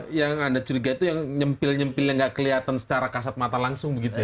jadi yang anda curiga itu yang nyempil nyempil yang nggak kelihatan secara kasat mata langsung begitu ya